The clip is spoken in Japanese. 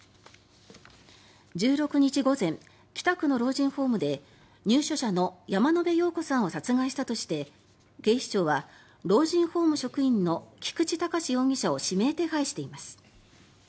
１６日午前、北区の老人ホームで入所者の山野辺陽子さんを殺害したとして警視庁は老人ホーム職員の菊池隆容疑者を指名手配しています。